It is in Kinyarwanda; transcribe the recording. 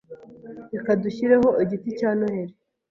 Reka dushyireho igiti cya Noheri.